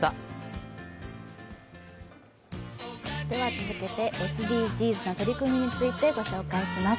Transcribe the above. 続けてＳＤＧｓな取り組みについてご紹介します。